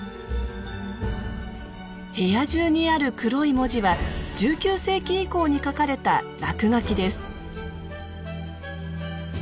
部屋中にある黒い文字は１９世紀以降に書かれた落書きです。